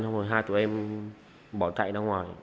xong rồi hai chủ em bỏ chạy ra ngoài